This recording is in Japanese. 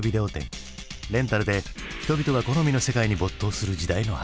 レンタルで人々が好みの世界に没頭する時代の始まりだ。